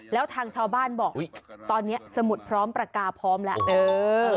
แล้วทางชาวบ้านบอกตอนนี้สมุดพร้อมประกาศพร้อมแล้ว